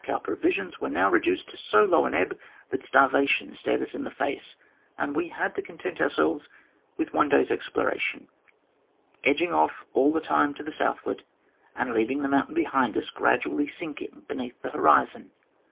our provisions were now reduced to so low an ebb that starvation stared us in the face, and we had to content ourselves with one day's exploration, edging off ail the time to the southward, and leaving the mountain behind us gradually sinking beneath the horizon.